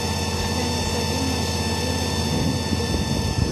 د نساجي ماشینري نوې ده؟